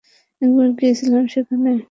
একবার গিয়েছিলাম সেখানে!